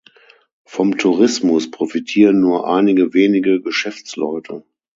Vom Tourismus profitieren nur einige wenige Geschäftsleute.